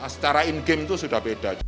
secara in game itu sudah beda